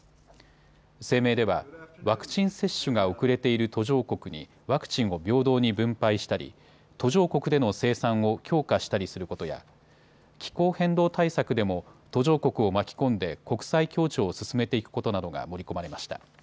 声明ではワクチン接種が遅れている途上国にワクチンを平等に分配したり途上国での生産を強化したりすることや気候変動対策でも途上国を巻き込んで国際協調を進めていくことなどが盛り込まれました。